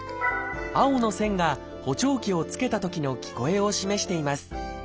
青の線が補聴器を着けたときの聞こえを示しています。